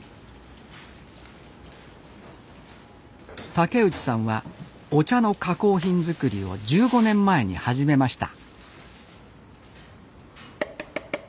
竹内さんはお茶の加工品づくりを１５年前に始めました